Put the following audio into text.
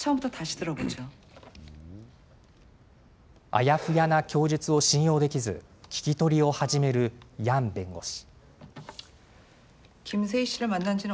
あやふやな供述を信用しできず聞き取りを始めるヤン弁護士。